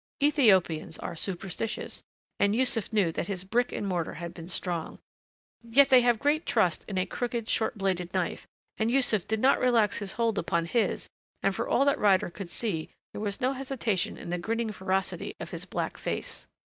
Ethiopians are superstitious. And Yussuf knew that his brick and mortar had been strong.... Yet they have great trust in a crooked, short bladed knife, and Yussuf did not relax his hold upon his and for all that Ryder could See there was no hesitation in the grinning ferocity of his black face.